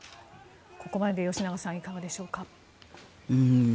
ここまでで吉永さん、いかがでしょうか。